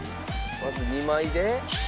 まず２枚で。